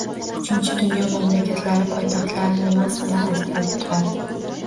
Uchinchi dunyo mamlakatlari poytaxtlari nimasi bilan ajralib turadi?